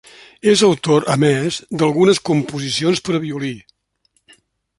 És autor, a més, d'algunes composicions per a violí.